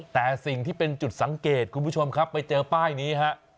แต่สิ่งที่เป็นจุดสังเกตคุณผู้ชมครับไปเจอป้ายนี้ฮะ